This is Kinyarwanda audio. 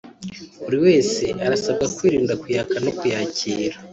Buri wese arasabwa kwirinda kuyaka no kuyakira